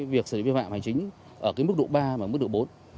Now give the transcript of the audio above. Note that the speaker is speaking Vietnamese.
việc xử lý viên mạng hành chính ở mức độ ba và mức độ bốn